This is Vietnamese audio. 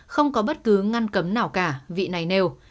không có bất cứ ngăn cấm nào cả vị này nêu